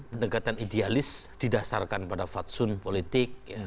pendekatan idealis didasarkan pada fatsun politik